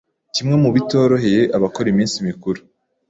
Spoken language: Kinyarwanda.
kimwe mu bitoroheye abakora iminsi mikuru